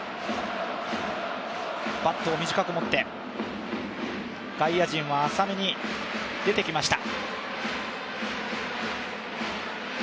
バットを短く持って、外野陣は浅めに出てきました。